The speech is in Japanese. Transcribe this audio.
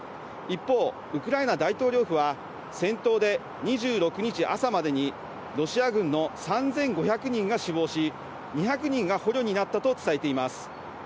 一方、ウクライナ大統領府は、戦闘で２６日朝までにロシア軍の３５００人が死亡し、２００人が捕虜になったと伝えています。